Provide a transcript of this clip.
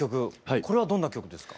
これはどんな曲ですか？